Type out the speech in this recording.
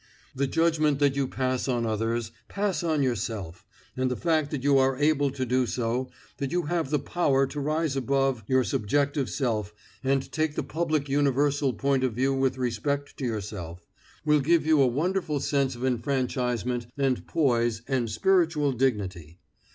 The judgment that you pass on others, pass on yourself, and the fact that you are able to do so, that you have the power to rise above your subjective self and take the public universal point of view with respect to yourself, will give you a wonderful sense of enfranchisement and poise and spiritual dignity.